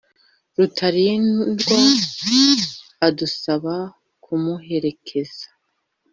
Rutalindwa adusaba kumuherekeza